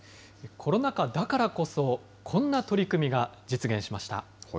コロナ禍だからこそ、こんな取り組みが実現しました。